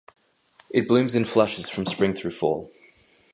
It blooms in flushes from spring through fall.